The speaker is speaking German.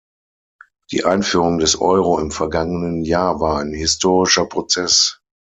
Die Einführung des Euro im vergangenen Jahr war ein historischer Prozess.